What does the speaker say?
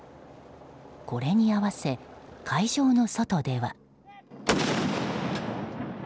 これに合わせ、会場の外では。